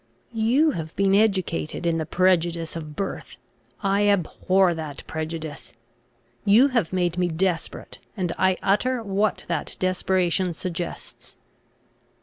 You have been educated in the prejudice of birth. I abhor that prejudice. You have made me desperate, and I utter what that desperation suggests.